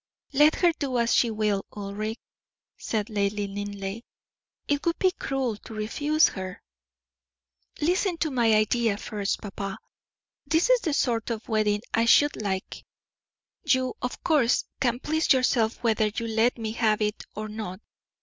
"Let her do as she will, Ulric," said Lady Linleigh; "it would be cruel to refuse her." "Listen to my idea first, papa. This is the sort of wedding I should like you, of course, can please yourself whether you let me have it or not.